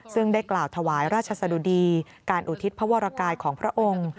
ซึ่งได้กล่าวถวายราชสะดุดีการอุทิศพระวรกายของพระองค์